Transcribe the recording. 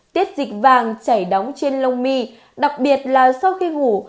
tiết dịch vàng chảy đóng trên lông mi đặc biệt là sau khi ngủ